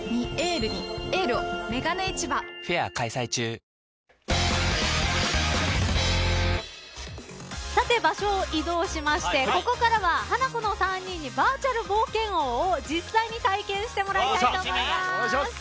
血圧１３０超えたらサントリー「胡麻麦茶」さて、場所を移動しましてここからはハナコの３人にバーチャル冒険王を実際に体験してもらいたいと思います。